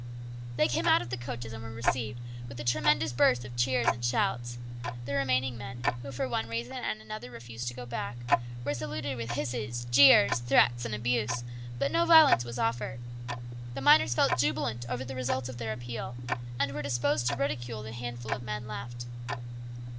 They came out of the coaches and were received with a tremendous burst of cheers and shouts. The remaining men, who for one reason and another 118 HIS BROTHER'S KEEPER. refused to go back, were saluted with hisses, jeers, threats, and abuse ; but no violence was offered. The miners felt jubilant over the result of their appeal, and were disposed to ridicule the handful of men now left.